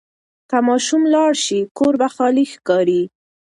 که ماشوم لاړ شي، کور به خالي ښکاري.